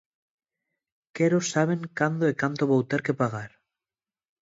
Quero saben cando e canto vou ter que pagar.